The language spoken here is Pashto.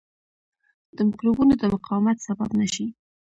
د مکروبونو د مقاومت سبب نه شي.